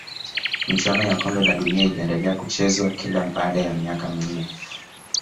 michuano ya kombe la dunia iliendelea kuchezwa kila baada ya miaka minne